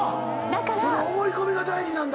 その思い込みが大事なんだ。